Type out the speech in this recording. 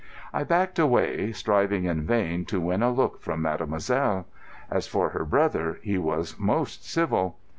I backed away, striving in vain to win a look from mademoiselle. As for her brother, he was most civil.